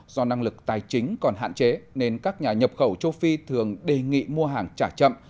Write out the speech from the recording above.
do năng lực tài chính còn hạn chế nên các nhà nhập khẩu châu phi thường đề nghị mua hàng trả chậm